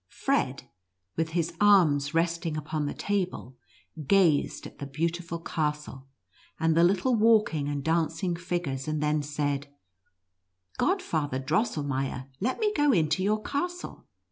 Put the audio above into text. Fred, with his arms resting upon the table, gazed at the beautiful castle, and the little walk ing and dancing figures, and then said, " God father Drosselmeier, let me go into your castle."